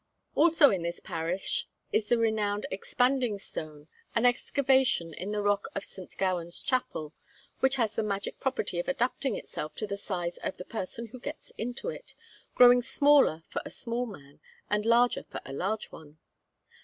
Also in this parish is the renowned Expanding Stone, an excavation in the rock of St. Gowan's chapel, which has the magic property of adapting itself to the size of the person who gets into it, growing smaller for a small man and larger for a large one.